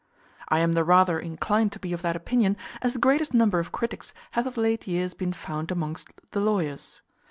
I am the rather inclined to be of that opinion, as the greatest number of critics hath of late years been found amongst the lawyers.